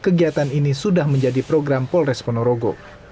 selama masjid kegiatan ini sudah menjadi program polres pondorogo